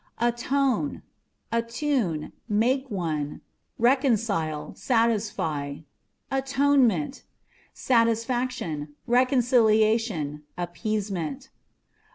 Atone â€" attune, make one, reconcile, satisfy. Atonement â€" satisfaction, reconciliation, appeasement.